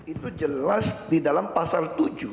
itu jelas di dalam pasal tujuh